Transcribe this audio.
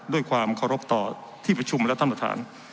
ด้วยความเคารพต่อที่ประชุมและท่านประธาน